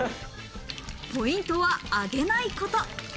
ポイントは揚げないこと。